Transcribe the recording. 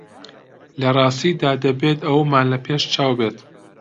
لە ڕاستیدا دەبێت ئەوەمان لە پێشچاو بێت